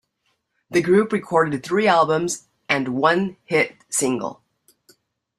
The group recorded three albums and one hit single.